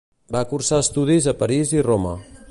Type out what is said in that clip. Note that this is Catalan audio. Va cursar estudis a París i Roma.